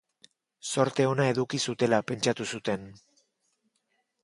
Zorte ona eduki zutela pentsatu zuten.